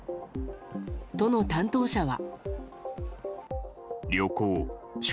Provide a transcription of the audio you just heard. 都の担当者は。